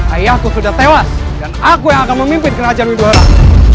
ayahku sudah tewas dan aku yang akan memimpin kerajaan widoran